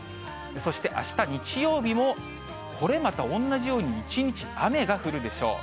そして、あした日曜日もこれまた同じように一日雨が降るでしょう。